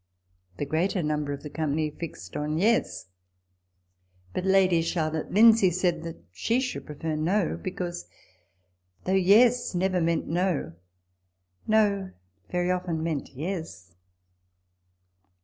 The greater number of the company fixed on " Yes." But Lady Charlotte Lindsay said that she should prefer " No "; because, though " Yes " never meant " No," " No " very often meant " Yes."